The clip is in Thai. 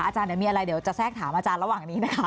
อาจารย์เดี๋ยวมีอะไรเดี๋ยวจะแทรกถามอาจารย์ระหว่างนี้นะคะ